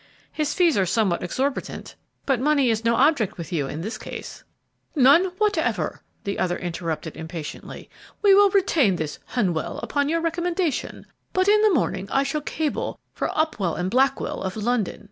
His fees are somewhat exorbitant, but money is no object with you in this case." "None whatever," the other interrupted, impatiently; "we will retain this Hunnewell upon your recommendation, but in the morning I shall cable for Upham & Blackwell, of London.